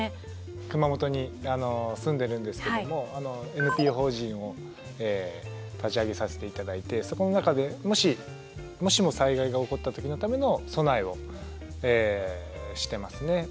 熊本に住んでるんですけどもＮＰＯ法人を立ち上げさせて頂いてそこの中でもしもしも災害が起こった時のための備えをしてますね。